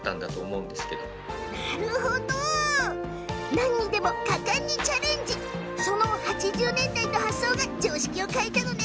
何にでも果敢にチャレンジ、８０年代の発想が常識を変えたのね。